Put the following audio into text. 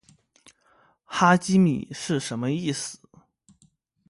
哈基米是什么意思？